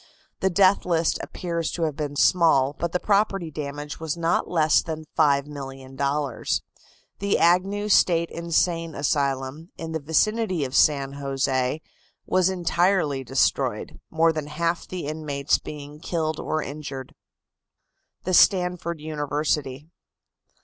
The death list appears to have been small, but the property damage was not less than $5,000,000. The Agnew State Insane Asylum, in the vicinity of San Jose, was entirely destroyed, more than half the inmates being killed or injured. THE STANFORD UNIVERSITY.